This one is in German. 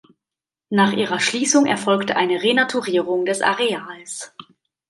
Nach ihrer Schließung erfolgte eine Renaturierung des Areals.